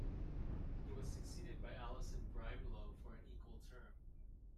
He was succeeded by Alison Brimelow for an equal term.